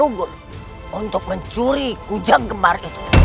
aku sudah tidak sabar